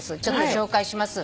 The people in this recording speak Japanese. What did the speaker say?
紹介します。